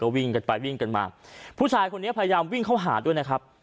วิ่งกันไปวิ่งกันมาผู้ชายคนนี้พยายามวิ่งเข้าหาด้วยนะครับ